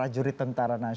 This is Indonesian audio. itu hal yang besar